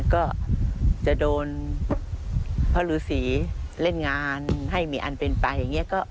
ก็จะโดนพระฤษีเล่นงานให้มีอันเป็นไปอย่างนี้